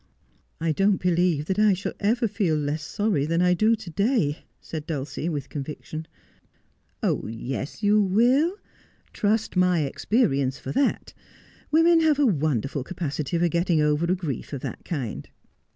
'I don't believe I shall ever feel less sorry than I do to day,' said Dulcie, with conviction. • That icoulcl be loo Horrible.' 203 1 Oh, yes, you will ; trust my experience for that. Women have a wonderful capacity for getting over a grief of that kind.'